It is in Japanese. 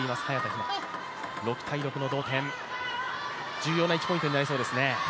重要な１ポイントになりそうですね。